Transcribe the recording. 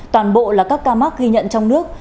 toàn bộ là các ca mắc ghi nhận trong nước